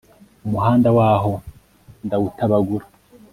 umuhanda waho ndawutabagura